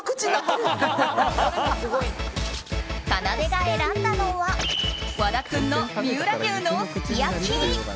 かなでが選んだのは和田君の三浦牛のすき焼き！